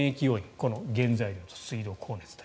この原材料費、水道代、光熱費。